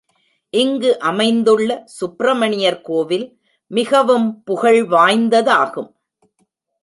இங்கு அமைந்துள்ள சுப்பிரமணியர் கோவில் மிகவும் புகழ் வாய்ந்ததாகும்.